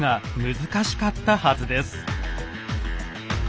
難しかったはずです。